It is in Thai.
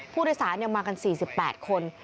ผู้โดยศาลยังมากัน๔๘คน